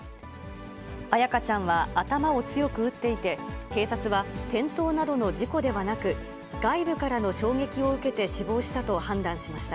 彩花ちゃんは、頭を強く打っていて、警察は、転倒などの事故ではなく、外部からの衝撃を受けて死亡したと判断しました。